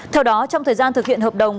theo đó trong thời gian thực hiện hợp đồng